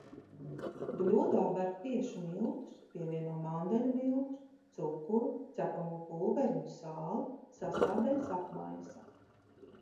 Bļodā ber kviešu miltus, pievieno mandeļu miltus, cukuru, cepamo pulveri un sāli, sastāvdaļas apmaisa.